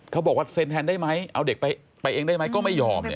เขาบอกว่าเซ็นแทนได้ไหมเอาเด็กไปเองได้ไหมก็ไม่ยอม